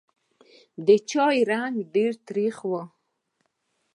د چای رنګ ډېر تریخ و.